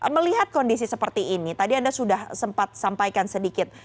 melihat kondisi seperti ini tadi anda sudah sempat sampaikan sedikit